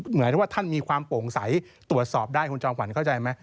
เหมือนว่าท่านมีความโปร่งใสตรวจสอบได้คุณจอมขวัญเข้าใจไหม